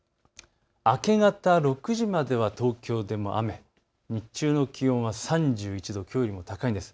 明け方６時までは東京でも雨、日中の気温は３１度、きょうよりも高いんです。